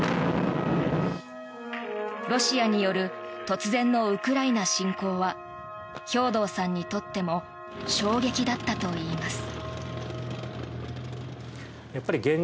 ロシアによる突然のウクライナ侵攻は兵頭さんにとっても衝撃だったといいます。